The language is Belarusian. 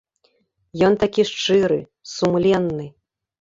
Ён такі шчыры, сумленны.